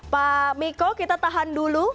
pak miko kita tahan dulu